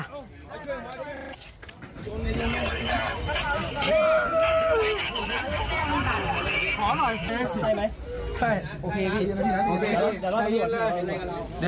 ขอหน่อยแพ้